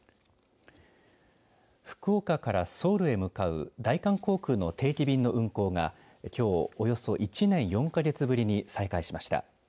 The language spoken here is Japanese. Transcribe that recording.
福岡からソウルへ向かう大韓航空の定期便の運航がきょう、およそ１年４か月ぶりに再開しました。